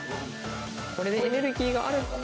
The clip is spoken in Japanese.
これでエネルギーがあると。